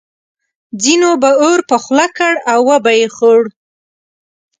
ځینو به اور په خوله کړ او وبه یې خوړ.